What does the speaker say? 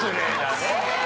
ねえ。